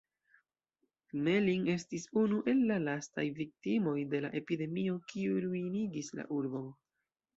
Gmelin estis unu el la lastaj viktimoj de la epidemio kiu ruinigis la urbon.